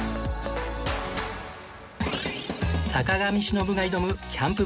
坂上忍が挑むキャンププラン